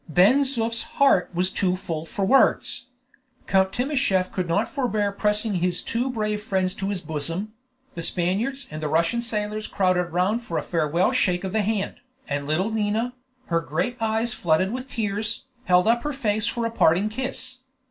Ben Zoof's heart was too full for words; Count Timascheff could not forbear pressing his two brave friends to his bosom; the Spaniards and the Russian sailors crowded round for a farewell shake of the hand, and little Nina, her great eyes flooded with tears, held up her face for a parting kiss.